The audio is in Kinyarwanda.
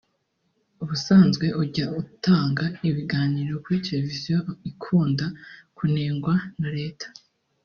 ubusanzwe ujya utanga ibiganiro kuri televiziyo ikunda kunengwa na Leta